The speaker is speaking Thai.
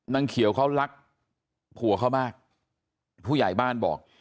นางเขียวเขารักผัวเขามากผู้ใหญ่บ้านบอก